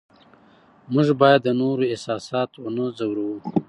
موږ باید د نورو احساسات ونه ځورو